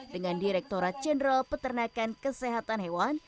dengan direkturat jenderal peternakan kesehatan hewan